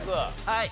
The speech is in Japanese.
はい。